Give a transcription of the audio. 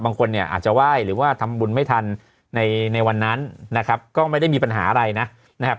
บางคนเนี่ยอาจจะไหว้หรือว่าทำบุญไม่ทันในในวันนั้นนะครับก็ไม่ได้มีปัญหาอะไรนะครับ